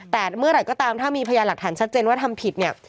แต่เมื่อไหร่ก็ตามถ้ามีพยานหลักฐานชัดเจนว่าทำผิดเนี่ย